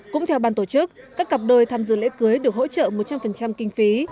cũng theo ban tổ chức các cặp đôi tham dự lễ cưới được hỗ trợ một trăm linh kinh phí